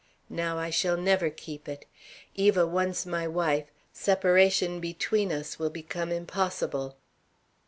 Now, I shall never keep it. Eva once my wife, separation between us will become impossible.